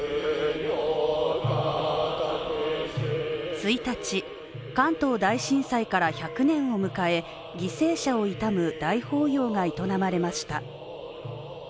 １日、関東大震災から１００年を迎え犠牲者を悼む大法要が営まれました。